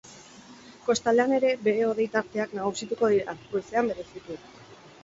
Kostaldean ere behe-hodei tarteak nagusituko dira, goizean bereziki.